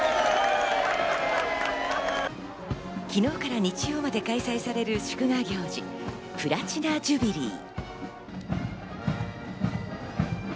昨日から日曜まで開催される祝賀行事、プラチナ・ジュビリー。